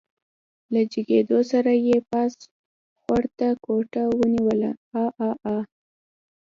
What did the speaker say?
له جګېدو سره يې پاس خوړ ته ګوته ونيوله عاعاعا.